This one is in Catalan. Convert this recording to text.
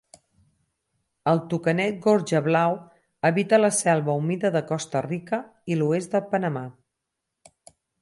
El tucanet gorjablau habita a la selva humida de Costa Rica i l'oest de Panamà.